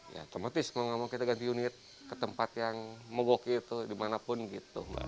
ya otomatis mau nggak mau kita ganti unit ke tempat yang mogok itu dimanapun gitu